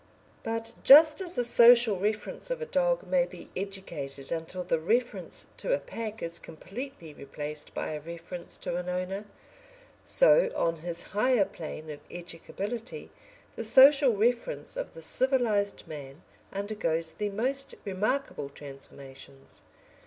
But just as the social reference of a dog may be educated until the reference to a pack is completely replaced by a reference to an owner, so on his higher plane of educability the social reference of the civilised man undergoes the most remarkable transformations.